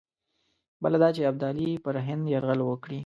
بله دا چې ابدالي پر هند یرغل وکړي.